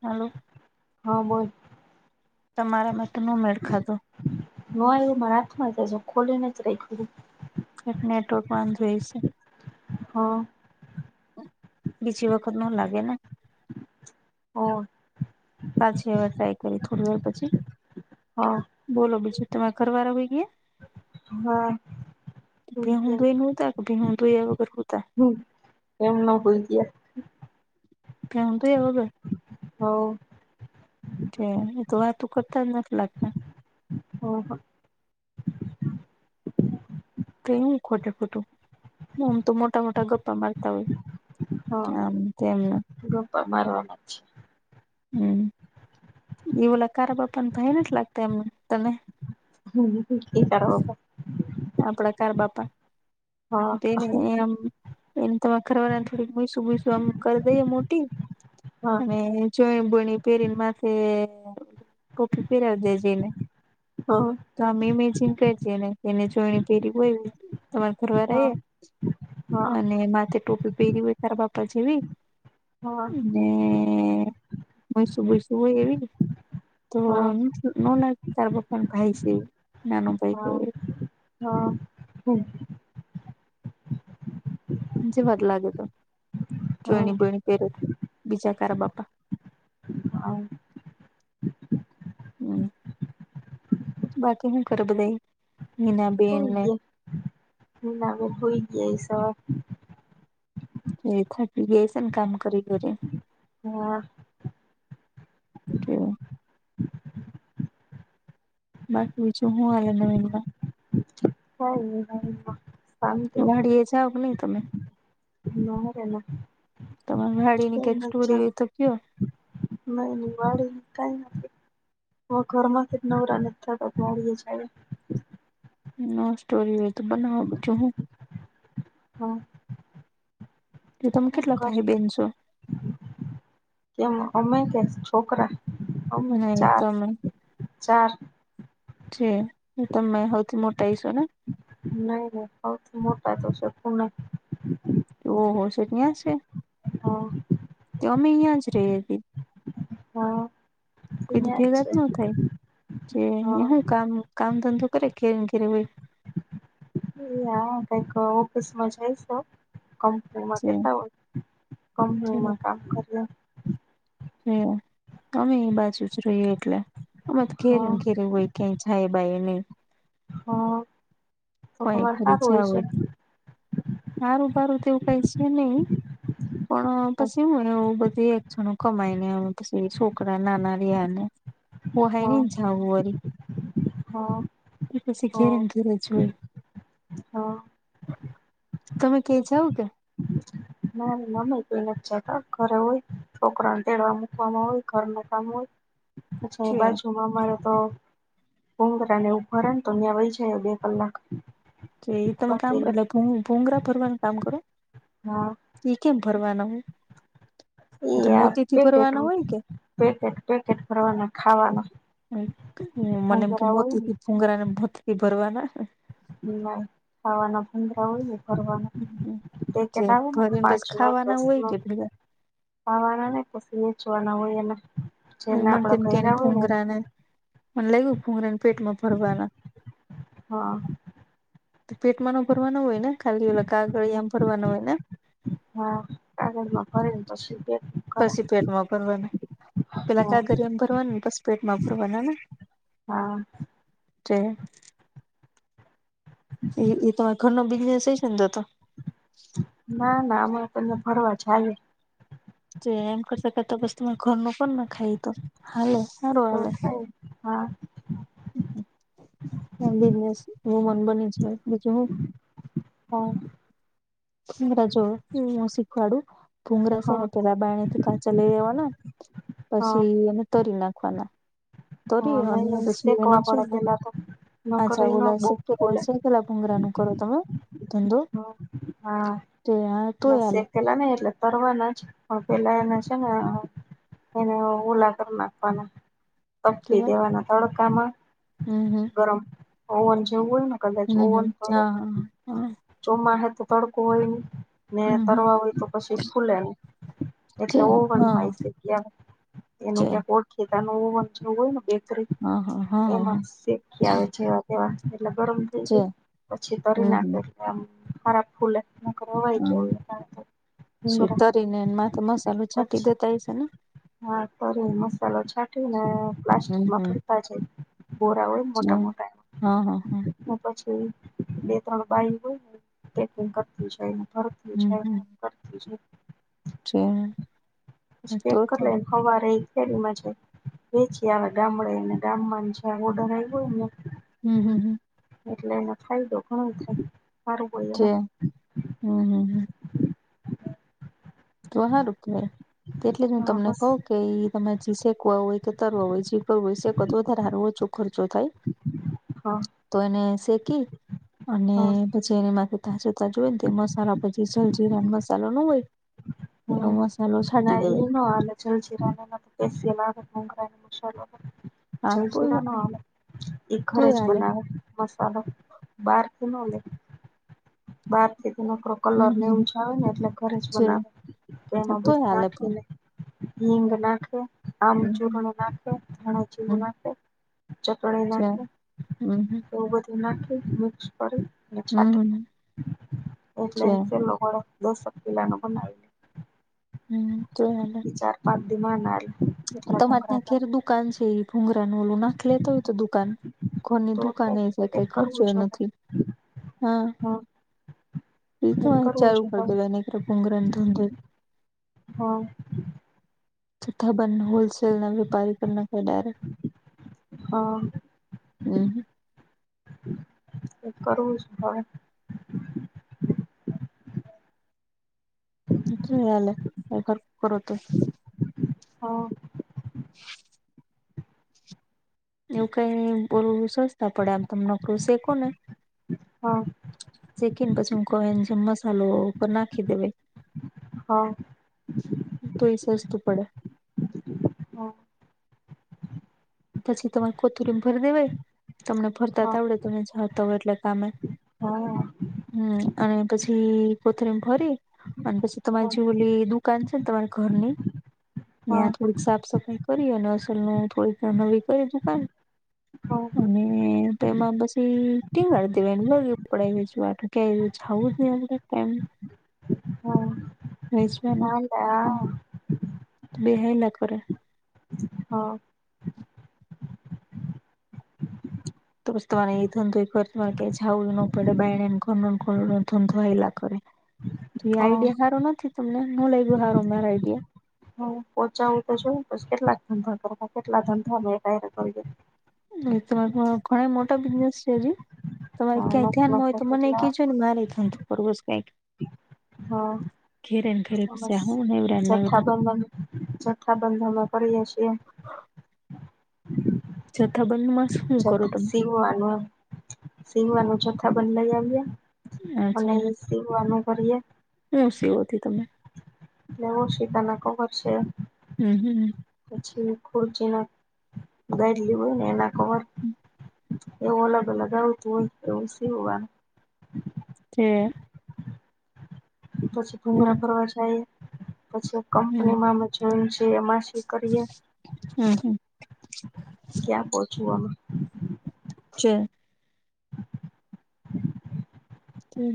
હાલો. હા બોલ. તમારામાં તો નો મેળ ખાધું. નો આયવું મારા હાથમા તજો ખોલીને જ રાયખુ. નેટવર્ક બંધ હઈ શે. હા. બીજી વખત ન લાગે ને? ઓ. પાછી હવે ટ્રાય કરી થોડી વાર પછી. હા બોલો બીજું તમે ઘરવાર હોય ગયા? હા હુઈ બે ગયા દોય ન હોતા કે ભંધોય વગર હોતા. હમ્મ, એમ નો હોય ગયા. કેન ધોયા વગર. ગયા એ તો વાતું કરતા જ નથી લાગતા. અહ. કઈ ખોટે ખોટું આમ તો મોટા મોટા ગપ્પા મારતા હોય. હા આમ તેમને ગપ્પા મારવાના છે. હમ્મ. એવલા કારા બાપા ન ભાઈ નથ લાગતા એમને તને. હમ્મ, એ તારા બાપા. આપડા કાર બાપા હા તેને હા એમ. એને તમા ખરવાના થોડીક મૂસું મૂસું આમ કરી દઈએ મોટી હા અને જોણી બોણી પહેરીને માથે પોખી પેરવી દે જઈને. હા. તો અમે ઇમેજિંગ કરીજે ને એને જોણી પેરી કોય. તમારા હા ઘરવા અને માથે ટોપી પહેરી હોય તારા બાપા જેવી. હા. [unintelligible] મસું બસુ હોય એવી તો હા નાના તારા પપ્પાન ભાઈ છે ઈ. હા હા. જેવાત લાગે તો. હા જોણી બોણી પેરે બીજા કારા બાપા આવ હમ બાકી હું કરૉ બધાય મીનામ હોઈ ગયા હ નાવે હોય ગયા એ સવા એ થાકી ગઈ છે કામ કરી કરીને હા હ બાકી બીજું હું આવે નવીન માં સઈ વાડી એ જાવ કે નહી તમે ના રે ના તમારી વાડીની કઇક સ્ટોરી હોય તો કયો મારી વાડીની કાઇ નથી હ ઘર માંથી નવરા નથી થતા તો વાડી એ જાય ન સ્ટોરી હોય તો બનાવું બીજુ હું હા એ તમે શું કેટલા કર ભાઈ બહેન છો કેમ અમે કે છોકરા હમ નહી ચાર તમે ચાર જી તમે હૌથી મોટા હસો ને નહી નહી સૌથી મોટા તો શકું ના ઓ હો છેક ન્યા છે હા અમે અહીંયા જ રહિયે ભી હા કોઈ ત્યાં જ વિધિગત છે ના થાય કે હા હુ કામ કામ ધંધો કરે કે ધરેનેઘરે હોય. એ કઈક ઓફિસમાં છે જાય છે કંપની એમાં છે. કેટલા હોય કંપનીમાં કામ કરિયે અમે એ બાજુ જ રહીએ એટલે અમે તો ઘેરે હા ને ઘેરે હોય- - કઇ જાઈએ બાયયે નહી હ તો કોઈ તમારૅ ખોરી હારુ જાવ હઇશે હોય સારું બારું તેવું તો કઈ છે નહી- પણ હા પછી હું એવું બધી એકક્ષણો કમાઈ ને પછી છોકરા નાના રિયા ને- - - - પોહાય હય હા નઈ જાવું વરી હા એ પછી ઘેરે હા ને ઘેરે જ જોય- - હા- - તમે ધેર જાવ કે ના મમ્મી તો નથ જતા ઘરે હોય- - છોકરાને તેડવા મુકવામાં હોય ઘરનું કામ હોય પછી બાજુમાં અમારે- - તો બધાને ઉભા રહેને તો ન્યાં વહી જાય બે કલાક- - જે એ તમે કામ એટલે ભૂંગરા ભરવાનું કામ કરો? હા. ઈ કેમ ભરવાના હોય એ એટલે આ મોતી થી પેકેટ ભરવાના હોય કે? પેકેટ પેકેટ ભરવાના ખાવાના મને એમ કે ભુંગરા હોય ને મોતીથી ભૂગરા ને મોતીથી ભરવાના- - ના ખાવાના ભૂગરા હોયને ભરવાના જે પેકેટ આવેને ભરીને બસ પાંચમાં ખાવાના હોય કે દસમાં ખાવાના નહી પછી વેચાવના હોય એમાં - એ મને લાગ્યુ કે એને ભુગરા ને મને લાગ્યું ભુગરાને પેટમાં ભરવાના- - હા- - પેટમાંનો ભરવાના ન હોય ને ખાલી ઓલા કાગળિયામાં ભરવાના હોય ને- - હા કાગળમાં ફે ને પછી બે- - પછી પેટમાં ભરવાના- - પેલા હા ક ગરિયામ ભરવાનું બસ પેટમાં ભરવાનાને- હા - એ એ તો ઘર ન બિઝનેસ હ છે ને જતો- - ના ના અમે તને ફરવા જાએ- - જે એમ કરશેતો બસ તમે ઘર ન પણ ના ખાઈ તો- - તો હા- - બિનેસ એું મન બની છે બીજું હું. હ- - [unintelligible] ભૂગરા જો હું શીખવાડું ભૂગરા છે હા ને પેલા બા થી કાચા લઈ લેવાના? હા પછી એને તરી નાખવાના હા તરી અને નહી એ પછી એનો શેકવા છે. પડે પેલા તો ન કરે અચ્છા ન બોલો સ બહુ ફૂલે સેકલા પુંંગરાનું કરો તમે? ધંધો હમ હા તે તોય હાલે બસકેલા ન એ લ- - કરવારના જ પણ પેલા એના છે ને- - એને ઉલાગર નાખવાના તપી કેવા દેવાના તડકામાં- - હમ હમ- - ગરમ ઓવન જેવું હોય- - હમ હમ હા હા હા. ચોમા હ તો તડકોું હોય ને? ને તરવા હોય તો પછી ફૂલે ને એટલે ઓવડ માય છે ત્યા? એનું ક્યાંક ખેતાનું હોય ને બે- એમાં શી ક્યા આવે છે. વા એટલે ગરમ થઈ જાય પછી તરી નાખે એટલે આમ ખરાબ ફૂલે- - નારો વૈ ત- - શતરી ને એમાં તો મસાલો છાંટી પછી દેતા હ છે ને? હા કરી મસાલો છાંટી ને હમ પ્લાસ્ટિકમાં હમ ફ- - બોરાઓળ મોટા હા હા હા મોટા- - પછી બે ત્રણ બાઈ હોય પેકિંગ કરતી હમ જાય- હમ તો હમ લ [unintelligible] હવા રહી છે મજા- વેચી આવે ગામડેને ગામમાં છે ઓર્ડર આવ્યો હોય ને- હમ હમ હમ એટલે ન ખાઈ દો ઘણું છે. છે હમ હમ હ તો સારું કે એટલે જ હું હા તમને મસ્ત કઉ- કેઈ તમેી શેકવા હોય કે તરવા હોય જી કર હોય શેકવા તો વધારે હારવો છો- ખર્ચો થાય હા તો એને શેકી હા અને- જે માટે તાજા તાજ હોય ને તે મસાલા પછી જલજીરામ મસાલો ન હોય- એવો હમ મસાલો છાંટી ના દેવાય એમાં હ- [unintelligible] આ તો જલસુરા ન એ ઘર જ તોય હાલે બનાવે- મસાલો બાર ક નવલે- બારથી તે નો- કલર નેવછ આવે ને એટલે ઘરે જ છે બનાવે તો એમાં તોય બધું હાલે પણ નાખીને- હીંગ નાખે આમ ચૂર્ણ નાખે ધાણાજીવ તમારે નાખે- ચટણી ત્યાં નાખી એવું બધું નાખી મિક્સ કરી- હમ હ એટલેેલોડ દસક પિલા ન બનાવી લે- હમ તો- પાધ્યમાંના- હું તો તમારે ત્યાં કેર દુકાન છે. ભુંગરાનું ઓલું નાખી લેતો હોય તો દુકાન ઘરની તો દુકાન થાય એ છે કઈ ખર્ચો કરવું એ જોઈએ નથી. હા એ તો વા કરવું ચારું છે હ કર દેવા ની એમ ભૂગરા ધ હા. ખબર નય હોલસેલ ના વેપારી [unintelligible] હા હમમ. એ કરવુ જ પડે. કેટલી વાર લા [unintelligible] કરો તો હા. [inaudible] એવું કઈ બોલું સજતા પડે આમ તમે નોકરી શેખો ને હા. સેકી ને પછી હું કવ જેમ મસાલો ઉપર નાખી દેવાય. હા. તોય એ સસ્તુ પડે. હા. પછી તમારે કોતરીમ ભરી દેવ. તમને ભરતા હા તો આવડે તમે જતા હોય એટલે કામે હમમ અને પછી કોથમીર ભર્યે અને પછી તમારી હા જે ઓલી દુકાન છે ને તમારા ઘરની હા ત્યાં થોડી સાફ સફાઈ કરી અને અસલ ને થોડી નવી કરી દુકાન અને એમાં પછી ટીવી હારુ દેવાનું લય હા ખાવું પીવુ નહી આપ હા. વેચવાના હા. બેહયલા કરે. હા. તો બસ તમારે એ ધંધો એ કરે તમારે કઈ જાવું જ ન પડે બાયના ને ઘર ધંધો હાયલા કરે. તો હા હા આઈડિયા હારો નથી તમને નો લાયગો સારો મારો આઈડિયા. હા પોહચાવુ તો જો પછી કેટલાક ધંધા કરવા, કેટલા ધંધા [unintelligible] હા તો ઘણો મોટા બજનેસ છે હિ ની. તમારે હા ક્યાંય નોખા ધ્યાનમાં હોય નોખા તો મને કેટલા કજો ને મારે ધંધો કરવો છે કાઈક. હા ઘરે ને ખરે પસ્યા હવરાના લાયરા જથ્થા બંધ ના વેપારી ઓ છીએ. જથ્થા બંધ માં શું કરો જથથી તમે સીવવાનું સીવવા ને જથ્થા બંધ લઈ આવ્યે. અને અચ્છા એ સીવવાનું કરીએ. હું સીવો છો તમે? બ્લાઉઝ ઓશિકા ના કવર છે હમમ હમમ. પછી ખુરચી ના ગાઈડ લીધૂ ને એના કવર એવું અલગ અલગ આવતું હોય એવું સીવાનું તે પછી હમ [unintelligible] ફરવા જઉ પછી કંપનીમાં મે જોઈ છીએ એમાં શી કરીએ હમમ હમમ. ક્યાં પહોંચું આમ. છે.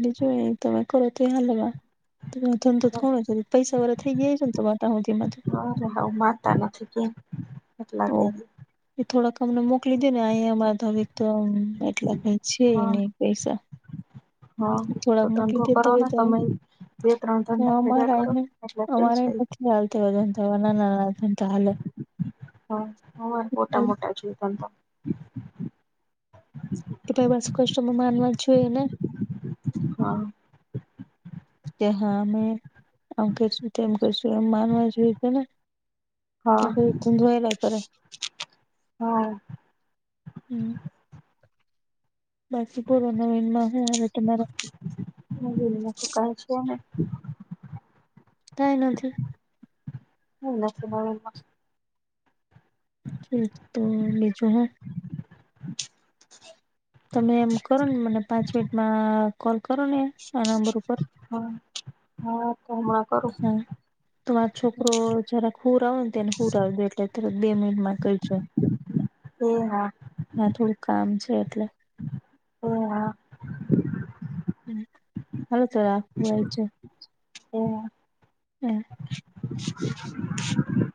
બીજું તમે કરો તો હાલ જેવ ધંધો જ કોણ પૈસા વર થઈ ગિયા છે ને તમાર અરે હું માનતા નથી કેમ એટલા કહી એ થોડાક અમને મોકલી દે ને અહીયા અમારા તોમ એટલા ક ગયા છેને પૈસા હ હ તો થોડાક મોકલી ધંધો કરો દેતા હો ને તમે બે ત્રણ તમે ધંધા ભેગા અમારા કરો એટલે થઈ અમારા જાય નથી ચાલ તો ના ના ના તો હાલે હ હ એ મોટા મોટા જી ત તો કે ભાઈ બસ કષ્ટમાં માનવા છઈએ ને હા કે હા અમે આમ કેશું કરશું એમ માનવા જોઈએ તો ને હા ત ધયલા સર હા હમ બસપર ન વનમારટ મા હ શું કાય છે ને ચતા થઈ નથી નથી હમ હ હ તો બીજું હ તમે એમ કરો ને મને પાંચ મિનિટમાં કોલ કરો ને આ નંબર ઉપર હા હા તો હમણાં કરું તો આ છોકરો જરાક હુર આવો ને તને હુર આવજે એટલે તત બે મિનિટ માં કજો [unintelligible] [inaudible] હ હા હ થોડુંક કામ છે એટલે હ હલો ચોરા હમ